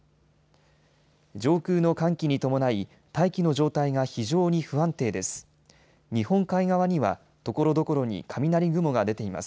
上空の寒気に伴い大気の状態が非常に不安定です。